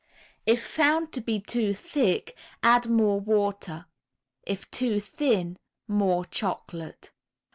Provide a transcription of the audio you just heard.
If found to be too thick, add more water; if too thin, more chocolate.